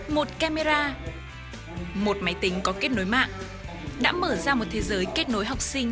một camera một máy tính có kết nối mạng đã mở ra một thế giới kết nối học sinh